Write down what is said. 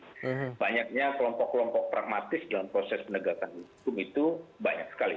jadi banyaknya kelompok kelompok pragmatis dalam proses penegakan hukum itu banyak sekali